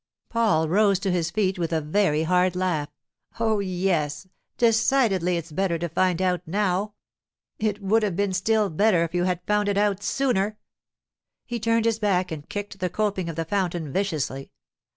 Paul rose to his feet with a very hard laugh. 'Oh, yes, decidedly it's better to find it out now. It would have been still better if you had found it out sooner.' He turned his back and kicked the coping of the fountain viciously.